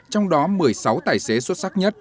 trong đó một mươi sáu tài xế xuất sắc nhất